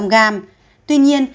một trăm linh g tuy nhiên